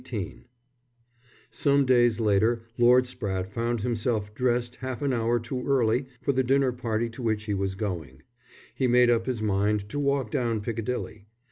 XVIII Some days later Lord Spratte found himself dressed half an hour too early for the dinner party to which he was going. He made up his mind to walk down Piccadilly.